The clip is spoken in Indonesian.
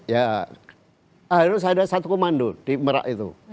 ya harus ada satu komando di merak itu